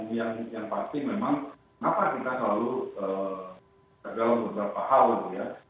dan yang pasti memang kenapa kita selalu tergolong beberapa hal ya